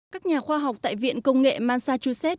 các nhà khoa học tại viện công nghệ massachusetts